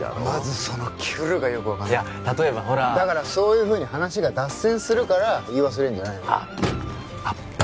まずその「きゅる」がよく分かんない例えばほらそういうふうに話が脱線するから言い忘れんじゃないのあっあっ